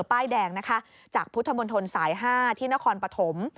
ป้ายแดงนะคะจากพุทธมนตรสาย๕ที่นครปฐม